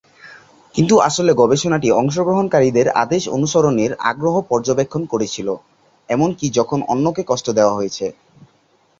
কিন্তু আসলে গবেষণাটি অংশগ্রহণকারীদের আদেশ অনুসরণের আগ্রহ পর্যবেক্ষণ করছিল, এমনকি যখন অন্যকে কষ্ট দেওয়া হয়েছে।